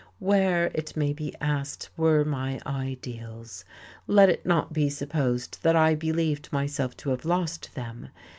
Where, it may be asked, were my ideals? Let it not be supposed that I believed myself to have lost them.